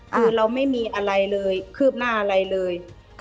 คือเราไม่มีอะไรเลยคืบหน้าอะไรเลย